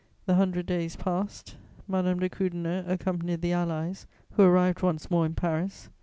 The Hundred Days passed. Madame de Krüdener accompanied the Allies, who arrived once more in Paris.